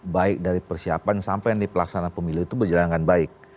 baik dari persiapan sampai pelaksanaan pemilu itu berjalan dengan baik